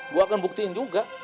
gue akan buktiin juga